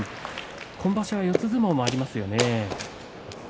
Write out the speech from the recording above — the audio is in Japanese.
今場所は四つ相撲もありますよね。